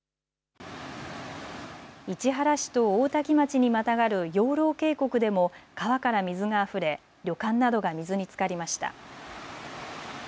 市原市と大多喜町にまたがる養老渓谷でも川から水があふれ旅館などが水につかりました。